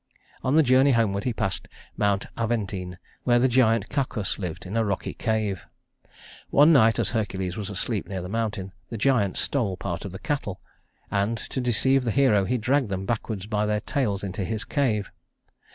On the journey homeward he passed Mount Aventine, where the giant Cacus lived in a rocky cave. One night, as Hercules was asleep near the mountain, the giant stole part of the cattle; and, to deceive the hero, he dragged them backwards by their tails into his cave.